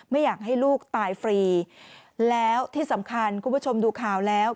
ไม่อยากให้ลูกตายฟรีแล้วที่สำคัญคุณผู้ชมดูข่าวแล้ว